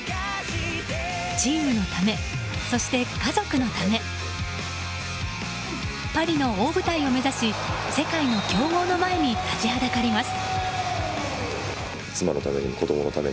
チームのため、そして家族のためパリの大舞台を目指し世界の強豪の前に立ちはだかります。